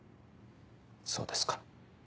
そうですか。